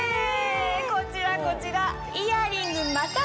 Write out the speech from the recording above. こちらこちら。